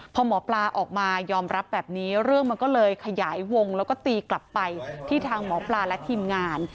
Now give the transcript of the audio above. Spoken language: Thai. พอหมอปลาออกมายอมรับแบบนี้เรื่องมันก็เลยขยายวงแล้วก็ตีกลับไปที่ทางหมอปลาและทีมงาน